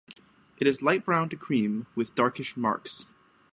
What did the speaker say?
It is light brown to cream with darkish marks.